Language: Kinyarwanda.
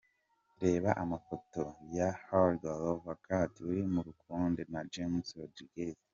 Reba amafoto ya Helga Lovekaty uri mu rukundo na James Rodriguez:.